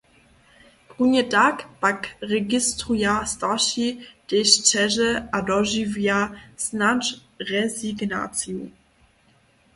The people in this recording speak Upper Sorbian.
Runje tak pak registruja starši tež ćeže a dožiwja snadź rezignaciju.